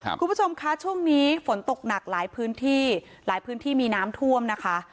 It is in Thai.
คุณผู้ชมคะช่วงนี้ฝนตกหนักหลายพื้นที่หลายพื้นที่มีน้ำท่วมนะคะ